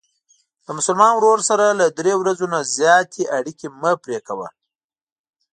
د مسلمان ورور سره له درې ورځو نه زیاتې اړیکې مه پری کوه.